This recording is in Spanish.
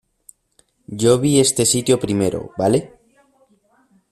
yo vi este sitio primero, ¿ vale?